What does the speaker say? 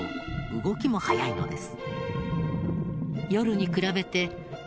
動きも速いのです。